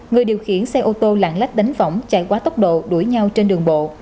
người điều khiển xe ô tô lạng lách đánh võng chạy quá tốc độ đuổi nhau trên đường bộ